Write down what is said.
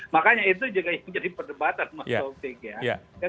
makanya itu juga yang jadi perdebatan mas sofie